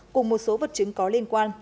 cùng một số vật chứng có liên quan